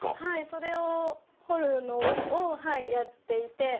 それを彫るのをやっていて。